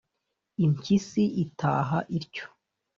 impyisi itaha ityo,